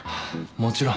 もちろん。